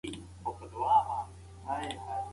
مسلکي مشاورین راپور ورکوي.